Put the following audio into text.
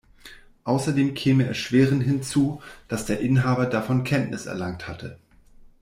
Außerdem käme erschwerend hinzu, dass der Inhaber davon Kenntnis erlangt hatte.